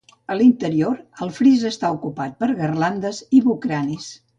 A l'interior, el fris està ocupat per garlandes i bucranis.